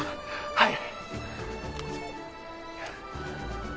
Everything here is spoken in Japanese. はい。